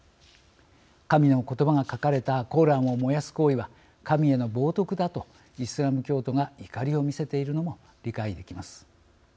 神の言葉が書かれた「コーラン」を燃やす行為は神への冒涜だとイスラム教徒が怒りを見せているのも理解できます。